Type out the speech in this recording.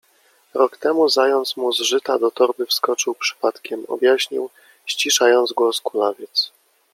Rok temu zając mu z żyta do torby wskoczył przypadkiem — objaśnił, ściszając głos, kulawiec.